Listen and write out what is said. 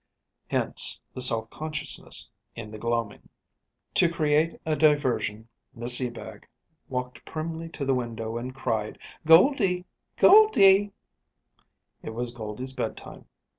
Hence the self consciousness in the gloaming. To create a diversion Miss Ebag walked primly to the window and cried: "Goldie! Goldie!" It was Goldie's bedtime.